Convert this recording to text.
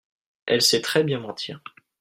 elle sait très bien mentir.